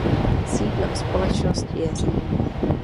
Sídlem společnosti je Řím.